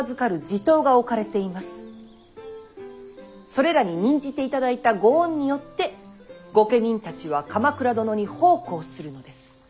それらに任じていただいたご恩によって御家人たちは鎌倉殿に奉公するのです。